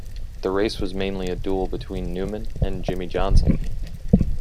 The race was mainly a duel between Newman and Jimmie Johnson.